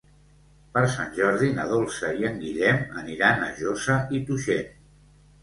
Per Sant Jordi na Dolça i en Guillem aniran a Josa i Tuixén.